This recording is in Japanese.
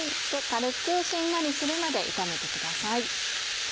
軽くしんなりするまで炒めてください。